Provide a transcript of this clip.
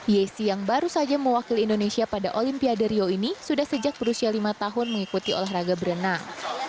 yesi yang baru saja mewakili indonesia pada olimpiade rio ini sudah sejak berusia lima tahun mengikuti olahraga berenang